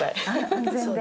安全で。